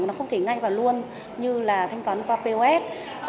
nó không thể ngay và luôn như là thanh toán qua pos